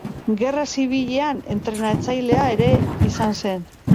Gerra Zibilean, entrenatzailea ere izan zen.